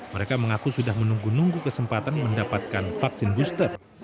mereka mengaku sudah menunggu nunggu kesempatan mendapatkan vaksin booster